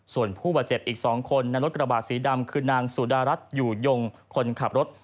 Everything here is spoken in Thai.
ส่วนผู้บาดเจ็บอีก๒คนในรถกระบาดสีดำคือนางสุดารัฐอยู่ยงคนขับรถ